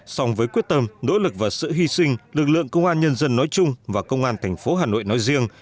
song với quyết tâm nỗ lực và sự hy sinh lực lượng công an nhân dân nói chung và công an thành phố hà nội nói riêng